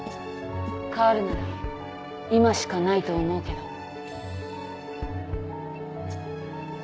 変わるなら今しかないと思うけど。